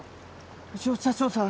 潮社長さん